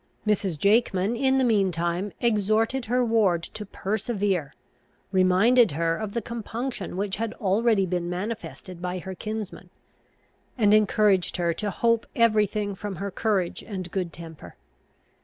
Mrs. Jakeman, in the mean time, exhorted her ward to persevere, reminded her of the compunction which had already been manifested by her kinsman, and encouraged her to hope every thing from her courage and good temper.